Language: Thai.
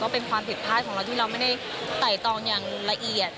เป็นความผิดพลาดของเราที่เราไม่ได้ไต่ตองอย่างละเอียด